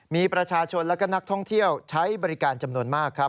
มีประชาชนและก็นักท่องเที่ยวใช้บริการจำนวนมากครับ